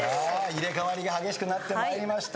入れ替わりが激しくなってまいりました。